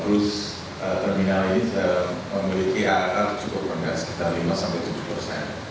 bruce terminal ini memiliki arr cukup pendas sekitar lima tujuh persen